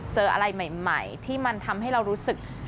เจออะไรใหม่ที่มันทำให้เรารู้สึก